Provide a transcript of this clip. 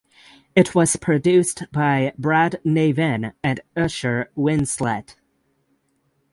It was produced by Brad Navin and Usher Winslett.